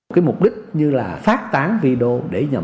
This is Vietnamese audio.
cái mục đích như là phát tán video